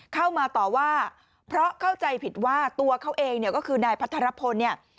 เข้ามาต่อว่าเพราะเข้าใจผิดว่าตัวเขาเองเนี่ยก็คือนายพัทรพลเนี่ย